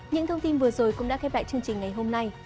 những thông tin vừa rồi cũng đã khép lại chương trình ngày hôm nay